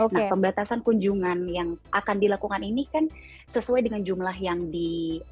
nah pembatasan kunjungan yang akan dilakukan ini kan sesuai dengan jumlah yang di